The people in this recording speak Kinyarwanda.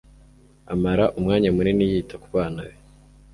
amara umwanya munini yita kubana be